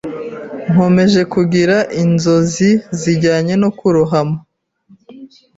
Nkomeje kugira inzozi zijyanye no kurohama.